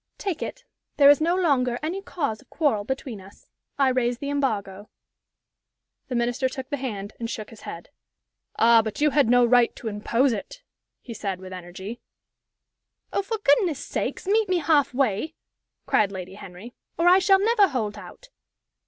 "Take it. There is no longer any cause of quarrel between us. I raise the embargo." The Minister took the hand, and shook his head. "Ah, but you had no right to impose it," he said, with energy. "Oh, for goodness sake, meet me half way," cried Lady Henry, "or I shall never hold out!"